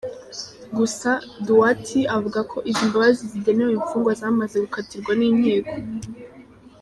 Gusa Douati avuga ko izi mbabazi zigenewe imfungwa zamaze gukatirwa n’inkiko.